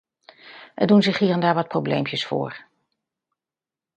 Er doen zich hier en daar wat probleempjes voor.